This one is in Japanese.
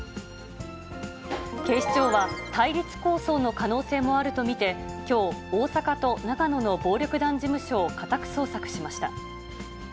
警視庁は、対立抗争の可能性もあると見て、きょう、大阪と長野の暴力団事務所を家宅捜索しました。